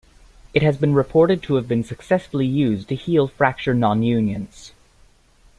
It has been reported to have been successfully used to heal fracture nonunions.